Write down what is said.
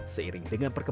seiring dengan pertanian